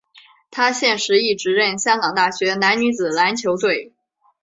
他现时亦执教香港大学男女子篮球队。